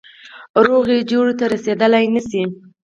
روغي جوړي ته رسېدلای نه سي.